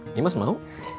ini mas mau